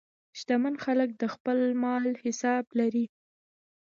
شتمن خلک د خپل مال حساب لري.